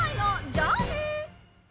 じゃあね。